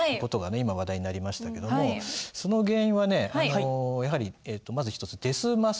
今話題になりましたけどもその原因はねやはりまず一つです・ます